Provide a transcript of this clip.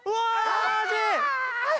あ！